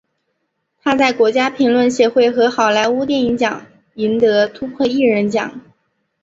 他在国家评论协会和好莱坞电影奖赢得突破艺人奖。